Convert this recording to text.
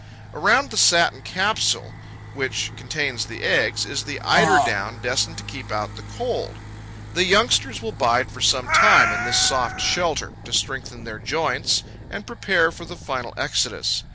Around the satin capsule, which contains the eggs, is the eiderdown destined to keep out the cold. The youngsters will bide for some time in this soft shelter, to strengthen their joints and prepare for the final exodus.